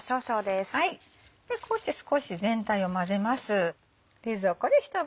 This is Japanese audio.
こうして少し全体を混ぜます。